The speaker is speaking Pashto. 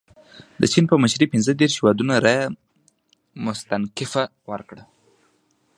د چین په مشرۍ پنځه دېرش هیوادونو رایه مستنکفه ورکړه.